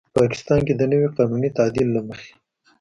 پاکستان کې د نوي قانوني تعدیل له مخې